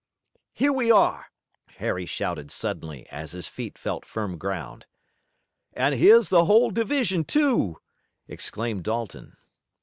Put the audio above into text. "Here we are!" Harry shouted suddenly as his feet felt firm ground. "And here's the whole division, too!" exclaimed Dalton.